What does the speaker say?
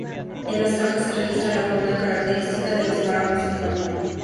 En el Cajas se registra la fauna característica de los páramos ecuatorianos.